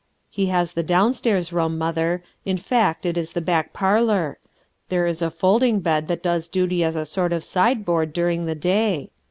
He has the downstairs room, mother, in fact it is the back parlor; there is a folding bed that does duty as a sort of sideboard during the day.